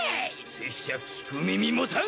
拙者聞く耳持たん！